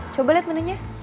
coba liat menunya